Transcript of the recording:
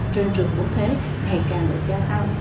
trên trường quốc thế ngày càng được gia tăng